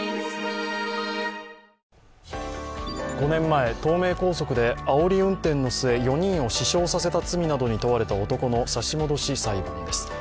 ５年前東名高速であおり運転の末４人を死傷させた罪などに問われた男の差し戻し裁判です。